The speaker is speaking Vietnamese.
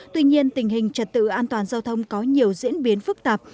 tuy nhiên tình hình trật tự an toàn giao thông có nhiều diễn biến phức tạp